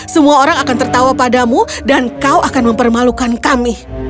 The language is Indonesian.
semua orang akan tertawa padamu dan kau akan mempermalukan kami